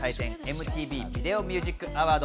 ＭＴＶビデオ・ミュージック・アワード。